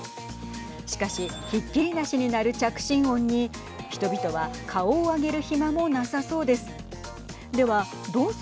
しかしひっきりなしに鳴る着信音に人々は顔を上げる暇もなさそうです。